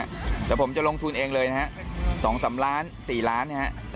เดี๋ยวผมจะลงทุนเองเลยนะฮะ๒๓ล้าน๔ล้านนะฮะ